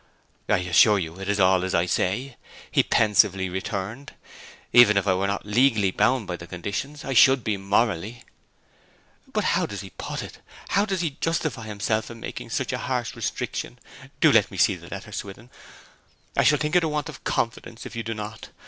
'I assure you it is all as I say,' he pensively returned. 'Even if I were not legally bound by the conditions I should be morally.' 'But how does he put it? How does he justify himself in making such a harsh restriction? Do let me see the letter, Swithin. I shall think it a want of confidence if you do not.